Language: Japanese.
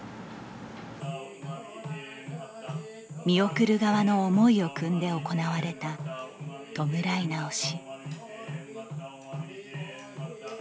見送る側の思いをくんで行われた弔い直し。